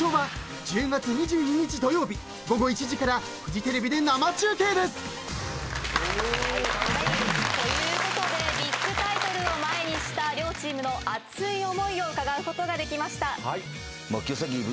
［フジテレビで生中継です］ということでビッグタイトルを前にした両チームの熱い思いを伺うことができました。